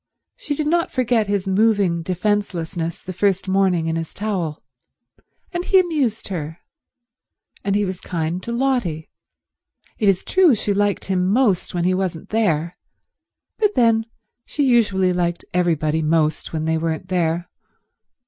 She did not forget his moving defencelessness the first morning in his towel, and he amused her, and he was kind to Lotty. It is true she liked him most when he wasn't there, but then she usually liked everybody most when they weren't there.